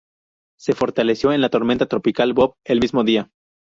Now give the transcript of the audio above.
Se fortaleció en la tormenta tropical Bob el mismo día.